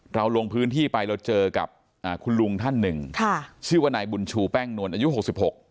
เราลงพื้นที่ไปเราเจอกับอ่าคุณลุงท่านหนึ่งค่ะชื่อว่านายบุญชูแป้งนวลอายุหกสิบหก